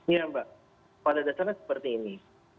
ya mbak pada dasarnya seperti ini